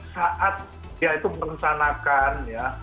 saat dia itu merencanakan ya